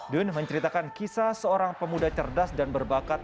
dunn menceritakan kisah seorang pemuda cerdas dan berbakat